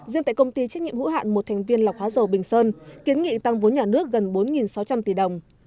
riêng tại công ty trách nhiệm hữu hạn một thành viên lọc hóa dầu bình sơn kiến nghị tăng vốn nhà nước gần bốn sáu trăm linh tỷ đồng